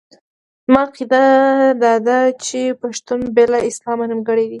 زما عقیده داده چې پښتون بې له اسلام نیمګړی دی.